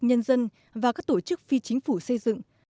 nhân dân và các tổ chức phi chính phủ xây dựng